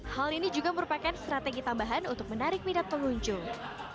hal ini juga merupakan strategi tambahan untuk menarik minat pengunjung